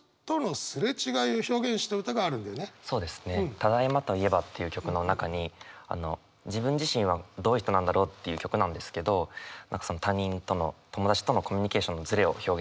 「ただいまと言えば」という曲の中に自分自身はどういう人なんだろうっていう曲なんですけど他人との友達とのコミュニケーションのずれを表現した一文があります。